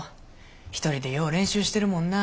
一人でよう練習してるもんな。